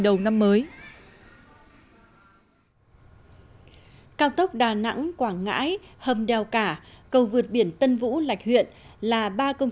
đầu năm mới cao tốc đà nẵng quảng ngãi hầm đèo cả cầu vượt biển tân vũ lạch huyện là ba công